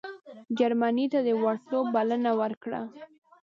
جرمني ته د ورتلو بلنه ورکړه.